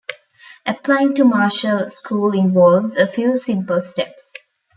Applying to Marshall School involves a few simple steps.